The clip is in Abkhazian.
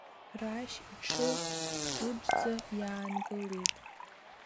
Рашь иҽы џыџӡа иаангылеит.